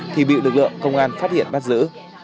thì bị lực lượng công an phát hiện bắt giữ